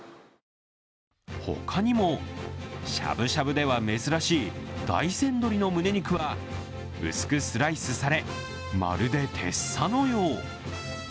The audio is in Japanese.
他にも、しゃぶしゃぶでは珍しい、大仙鶏のムネ肉は薄くスライスされ、まるでてっさのよう。